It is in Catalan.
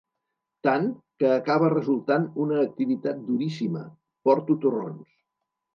Tant, que acaba resultant una activitat duríssima: "Porto torrons.